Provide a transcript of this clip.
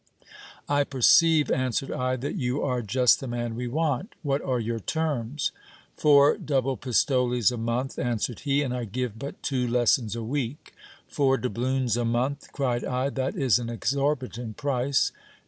I perceive, answered I, that you are just the man we want. What are your terms? Four double pistoles a month, answered he, and I give but two lessons a week. Four doubloons a month ! cried I, that is an exorbitant price.